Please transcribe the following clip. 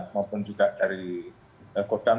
maupun juga dari kodam